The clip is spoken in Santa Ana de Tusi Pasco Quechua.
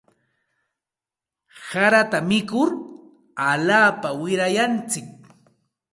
Harata mikur alaapa wirayantsik.